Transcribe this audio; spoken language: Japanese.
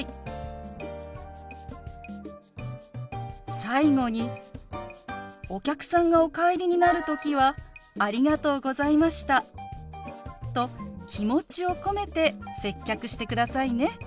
最後にお客さんがお帰りになる時は「ありがとうございました」と気持ちを込めて接客してくださいね。